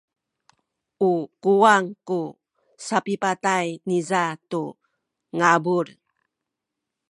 u kuwang ku sapipatay niza tu ngabul.